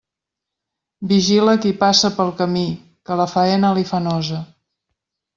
Vigila qui passa pel camí, que la faena li fa nosa.